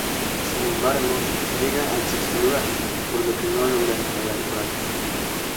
Sin embargo, llega al sexto lugar, por lo que no logra entrar al rally.